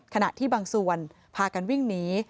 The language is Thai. ขณะที่บางส่วนพากันวิ่งหนี